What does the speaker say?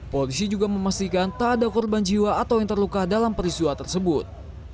polisi juga memastikan tak ada korban jiwa atau yang terluka dalam peristiwa tersebut